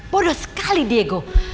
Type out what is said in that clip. bodoh sekali diego